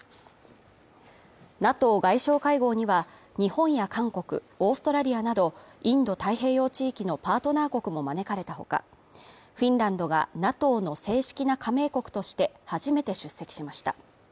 ＮＡＴＯ外相会合には日本や韓国、オーストラリアなどインド太平洋地域のパートナー国も招かれたほか、フィンランドがＮＡＴＯの正式な加盟国として初めて出席しました。